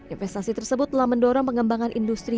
investasi tersebut telah mendorong pengembangan industri